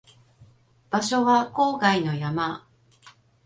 場所は郊外の山